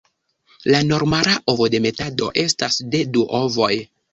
La normala ovodemetado estas de du ovoj.